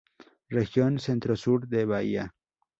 Región Centro Sur de Bahia.